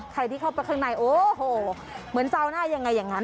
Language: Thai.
ใครที่เข้าไปข้างในโอ้โหเหมือนซาวหน้ายังไงอย่างนั้น